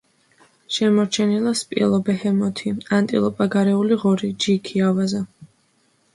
შემორჩენილია სპილო, ბეჰემოთი, ანტილოპა, გარეული ღორი, ჯიქი, ავაზა.